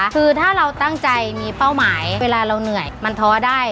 คือถ้าเราตั้งใจมีเป้าหมายเวลาเราเหนื่อยมันท้อได้